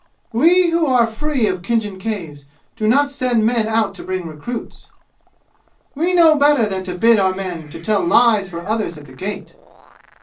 "We who are free of Khinjan Caves do not send men out to bring recruits. We know better than to bid our men tell lies for others at the gate.